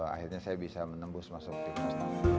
akhirnya saya bisa menembus masuk timnas